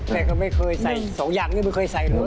แม่ก็ไม่เคยใส่สองอย่างนี้ไม่เคยใส่เลย